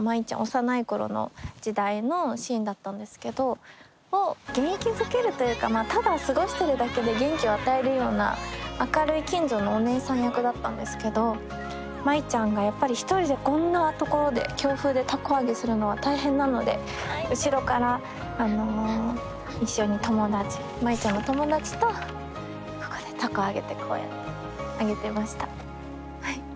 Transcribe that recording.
幼い頃の時代のシーンだったんですけど元気づけるというかただ過ごしてるだけで元気を与えるような明るい近所のおねえさん役だったんですけど舞ちゃんがやっぱり一人でこんな所で強風で凧揚げするのは大変なので後ろから一緒に舞ちゃんの友達とここで凧揚げてこうやって揚げてました。